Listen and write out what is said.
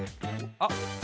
あっ。